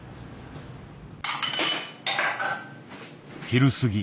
昼過ぎ。